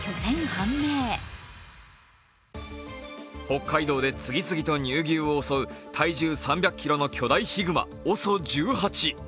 北海道で次々と乳牛を襲う体重３００ｋｇの巨大ヒグマＯＳＯ１８。